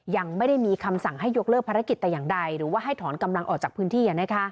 ยังไม่ได้มีคำสั่งให้ยกเลิกภารกิจแต่อย่างใดหรือว่าให้ถอนกำลังออกจากพื้นที่